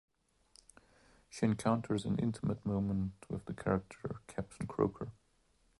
She encounters an intimate moment with the character Captain Croker.